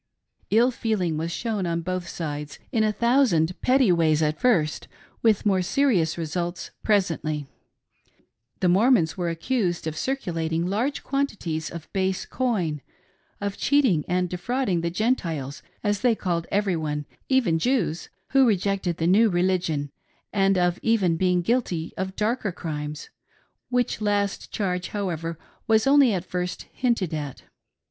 Ill feeling was shown on both sides ; in a thousand petty ways at first, with more serious results presently. , The Mor mons were accused of circulating large quantities of base coin, of cheating and defrauding the Gentiles, as they called every one— even Jews — who rejected the new religion, and of even being guilty of darker crimes ;— which last charge, however, was at first only hinted at.